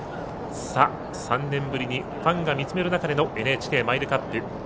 ３年ぶりにファンが見つめる中でのＮＨＫマイルカップ。